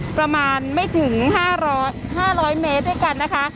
ประมาณไม่ถึง๕๐๐เมตรด้วยกันนะคะ